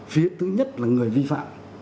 phía thứ nhất là người vi phạm